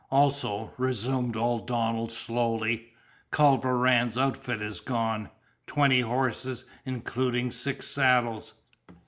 "Also," resumed old Donald slowly, "Culver Rann's outfit is gone twenty horses, including six saddles.